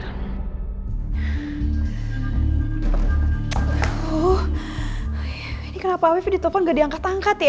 aduh ini kenapa afif ditelpon gak diangkat angkat ya